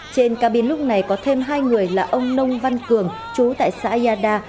trên cabin lúc này có thêm hai người là ông nông văn cường chú tại xã yada